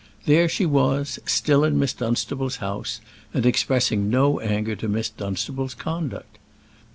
There she was, still in Miss Dunstable's house, and expressing no anger as to Miss Dunstable's conduct.